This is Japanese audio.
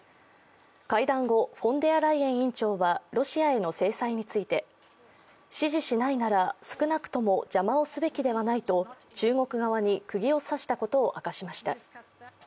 会談後、フォンデアライエン委員長はロシアへの制裁について、支持しないなら少なくとも邪魔をすべきではないと中国側にくぎを刺したことを明かしました。